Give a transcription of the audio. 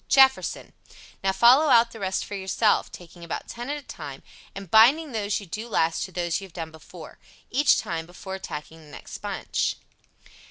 JEFFERSON. Now follow out the rest for yourself, taking about ten at a time, and binding those you do last to those you have done before, each time, before attacking the next bunch.